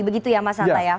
begitu ya mas hanta ya